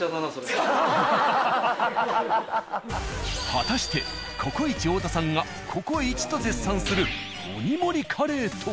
果たして「ココイチ」太田さんがここイチと絶賛する鬼盛りカレーとは？